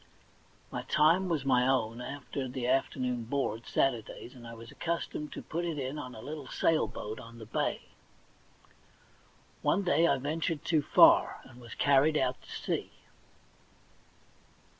My time was my own after the afternoon board, Saturdays, and I was accustomed to put it in on a little sail boat on the bay. One day I ventured too far, and was carried out to sea.